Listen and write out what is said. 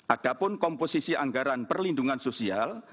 adapun komposisi anggaran perlindungan sosial